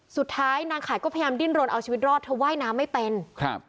สุดท้ายนางขายก็พยายามดิ้นรนเอาชีวิตรอดเธอว่ายน้ำไม่เป็นครับ